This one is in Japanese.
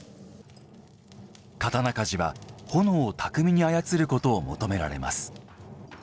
刀鍛冶は炎を巧みに操ることを求められます。